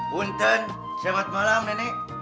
bunten selamat malam nenek